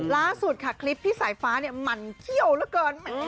ล่าสุดค่ะคลิปพี่สายฟ้าเนี่ยหมั่นเขี้ยวแล้วกัน